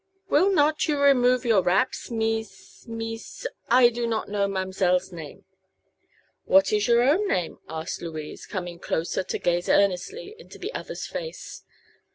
"Will not you remove your wraps, Mees Mees I do not know ma'm'selle's name." "What is your own name?" asked Louise, coming closer to gaze earnestly into the other's face.